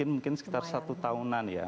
mungkin sekitar satu tahunan ya